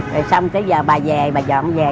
rồi xong tới giờ bà về bà dọn về